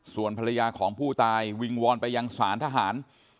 ส่วนภรรยาของผู้ตายวิงวอนไปยังสารทหาร